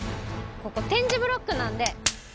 ここ点字ブロックなんで。